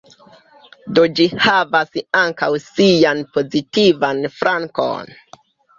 Do ĝi havas ankaŭ sian pozitivan flankon.